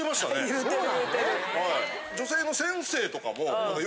言うてる。